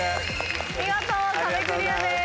見事壁クリアです。